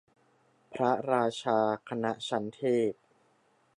พระราชาคณะชั้นเทพ